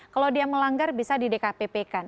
kalau dia melanggar bisa di dkpp kan